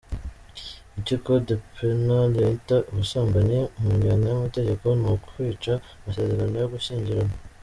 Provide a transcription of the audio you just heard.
Icyo code penal yita ubusambanyi, mu njyana y’amategeko, ni ukwica amasezerano yo gushyingiranwa.